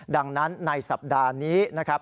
ดังนั้นในสัปดาห์นี้นะครับ